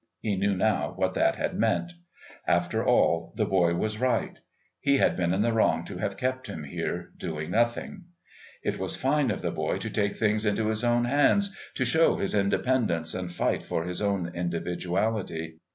He knew now what that had meant. After all, the boy was right. He had been in the wrong to have kept him here, doing nothing. It was fine of the boy to take things into his own hands, to show his independence and to fight for his own individuality.